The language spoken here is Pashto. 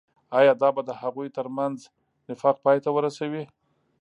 آيا دا به د هغوي تر منځ نفاق پاي ته ورسوي.